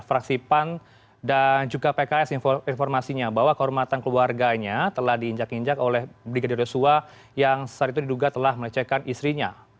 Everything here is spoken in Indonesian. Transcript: fraksi pan dan juga pks informasinya bahwa kehormatan keluarganya telah diinjak injak oleh brigadir yosua yang saat itu diduga telah melecehkan istrinya